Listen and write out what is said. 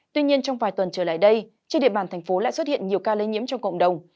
tuy nhiên trong vài tuần trở lại đây trên địa bàn thành phố lại xuất hiện nhiều ca lây nhiễm trong cộng đồng